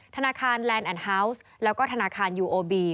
ธนาคารแลนด์แอนดฮาวส์แล้วก็ธนาคารยูโอบี